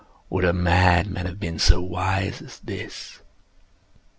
Ha!—would a madman have been so wise as this?